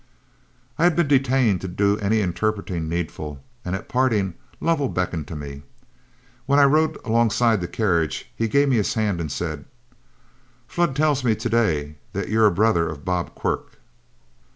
I had been detained to do any interpreting needful, and at parting Lovell beckoned to me. When I rode alongside the carriage, he gave me his hand and said, "Flood tells me to day that you're a brother of Bob Quirk.